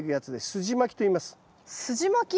すじまき？